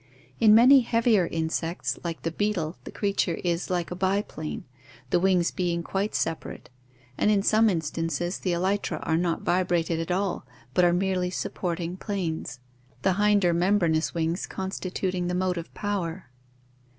In many heavier insects like the beetle the creature is like a biplane, the wings being quite separate, and in some instances the elytra are not vibrated at all but are merely supporting planes, the hinder membranous wings constituting the motive power.